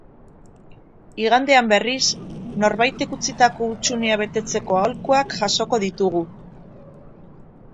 Igandean berriz, norbaitek utzitako hutsunea betetzeko aholkuak jasoko ditugu.